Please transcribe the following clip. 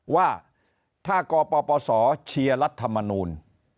ว่าถ้ากปศเชียร์รัฐมนูล